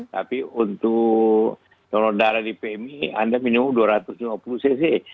tapi untuk donor darah di pmi anda minimum dua ratus lima puluh cc